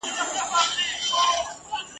ویل ځه مخته دي ښه سلا مُلاجانه !.